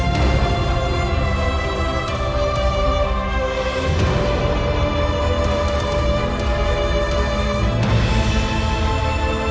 hukuman apakah itu